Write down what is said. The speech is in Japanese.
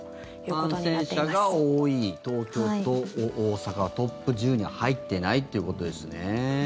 感染者が多い東京と大阪トップ１０に入ってないってことですね。